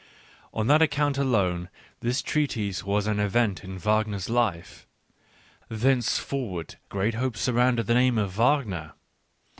On that account alone, this treatise was an event in Wagner's life: thenceforward great hopes surrounded the name of Wagner.